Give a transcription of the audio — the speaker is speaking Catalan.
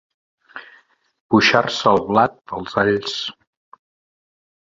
Boixar-se el blat, els alls.